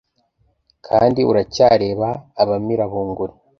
kandi uracyareba abamira bunguri